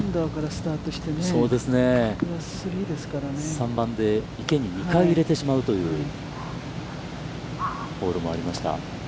３番で池に２回入れてしまうというホールもありました。